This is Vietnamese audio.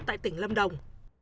tại tỉnh lâm đồng